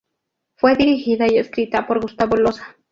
Fue dirigida y escrita por Gustavo Loza.